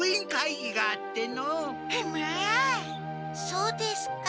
そうですか。